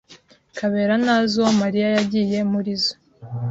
Kabera ntazi uwo Mariya yagiye muri zoo.